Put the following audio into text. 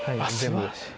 すばらしい。